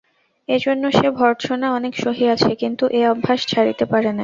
এজন্য সে ভর্ৎসনা অনেক সহিয়াছে, কিন্তু এ অভ্যাস ছাড়িতে পারে নাই।